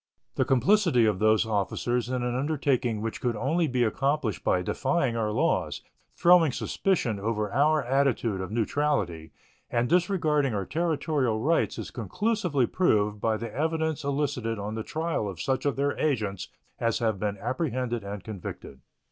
The complicity of those officers in an undertaking which could only be accomplished by defying our laws, throwing suspicion over our attitude of neutrality, and disregarding our territorial rights is conclusively proved by the evidence elicited on the trial of such of their agents as have been apprehended and convicted.